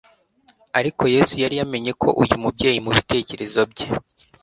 Ariko Yesu yari yamenye ko uyu mubyeyi, mubitekerezo bye,